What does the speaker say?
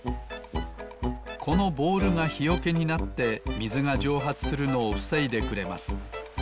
このボールがひよけになってみずがじょうはつするのをふせいでくれます。